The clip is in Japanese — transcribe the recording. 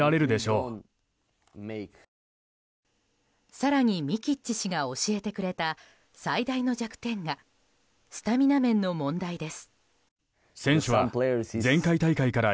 更にミキッチ氏が教えてくれた最大の弱点がスタミナ面の問題です。